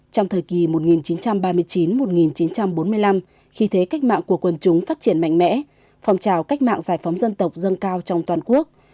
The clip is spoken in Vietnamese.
trong thời kỳ một nghìn chín trăm ba mươi chín một nghìn chín trăm bốn mươi năm khi thế cách mạng của quân chúng phát triển mạnh mẽ phong trào cách mạng giải phóng dân tộc dâng cao trong toàn quốc